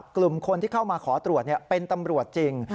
กลุ่มคนที่เข้ามาขอตรวจเป็นตำรวจจริง